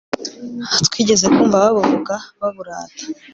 twigeze kumva babuvuga baburata